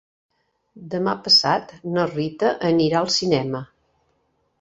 Demà passat na Rita anirà al cinema.